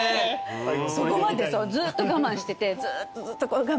そこまでずっと我慢しててずっとこう我慢して。